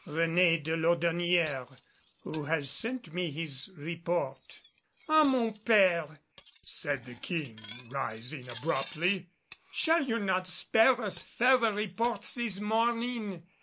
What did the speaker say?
"Réné de Laudonnière, who has sent me his report " "Ah, mon père," said the King, rising abruptly. "Shall you not spare us further reports this morning?